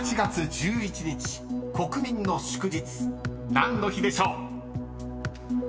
［何の日でしょう？］